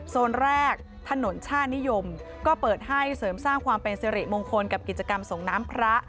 โซนแรกถนนช่านิยมก็เปิดให้เสริมสร้างความเป็นสิริมงคลกับกิจกรรมส่งน้ำพระ